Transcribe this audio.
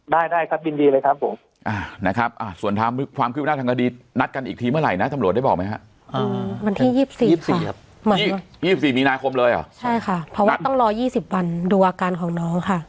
ได้นะครับวิจีนเรียนเลยครับส่วนความคิดว่าน่าทางกระดีนัดกันอีกทีเมื่อไหร่นะแถมหลวงได้บอกไหมบันที่๒๔เมื่อราคมเลยอ่ะใช่ค่ะมันต้องรอ๒๐วันดูอาการของน้องค่ะ